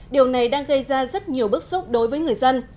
điều này đang gây ra rất nhiều bức xúc đối với người dân